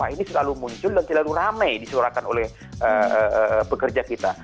ini selalu muncul dan selalu ramai disuarakan oleh pekerja kita